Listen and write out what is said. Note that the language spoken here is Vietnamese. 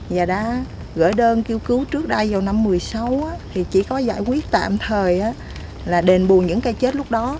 giờ đã gửi đơn cứu cứu trước đây vào năm hai nghìn một mươi sáu thì chỉ có giải quyết tạm thời là đền bù những cây chết lúc đó